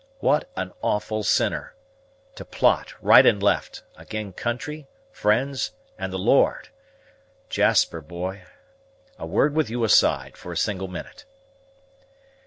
What an awful sinner! To plot, right and left, ag'in country, friends, and the Lord! Jasper, boy, a word with you aside, for a single minute."